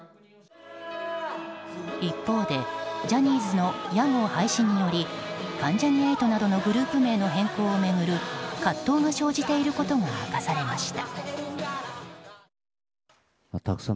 一方でジャニーズの屋号廃止により関ジャニ∞などのグループ名変更による葛藤が生じていることが明かされました。